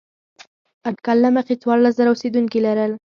اټکل له مخې څوارلس زره اوسېدونکي لرل.